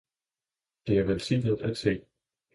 Det er velsignet at se!